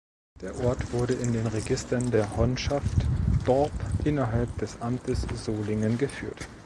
Der Ort wurde in den Registern der Honschaft Dorp innerhalb des Amtes Solingen geführt.